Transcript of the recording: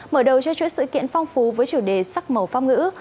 mở đầu cho chuỗi sự kiện phong phú với chủ đề sắc màu pháp ngữ